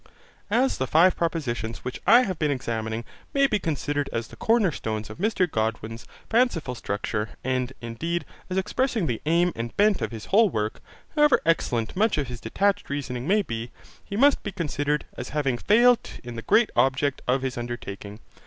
As the five propositions which I have been examining may be considered as the corner stones of Mr Godwin's fanciful structure, and, indeed, as expressing the aim and bent of his whole work, however excellent much of his detached reasoning may be, he must be considered as having failed in the great object of his undertaking.